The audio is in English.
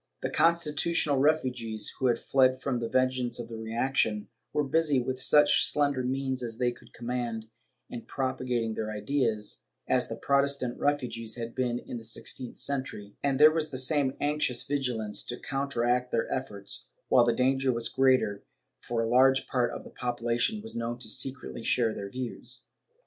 The Constitu tionalist refugees, who had fled from the vengeance of the reaction, were busy, with such slender means as they could command, in propagating their ideas, as the Protestant refugees had been in the sixteenth century, and there was the same anxious vigilance to counteract their efforts, while the danger was greater, for a large part of the population was known to secretly share their views.